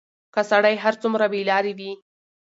که سړى هر څومره بېلارې وي،